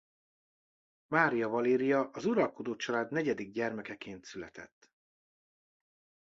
Mária Valéria az uralkodócsalád negyedik gyermekeként született.